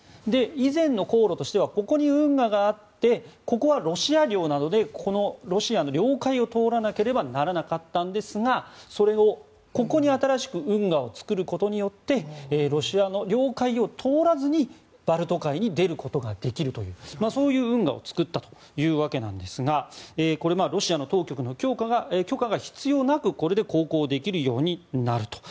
以前の航路としてはここに運河があってここはロシア領なのでこのロシアの領海を通らなければならなかったんですがそれをここに新しく運河を作ることによってロシアの領海を通らずにバルト海に出ることができるというそういう運河を作ったというわけですがロシアの当局の許可が必要なくこれで航行できるようになると。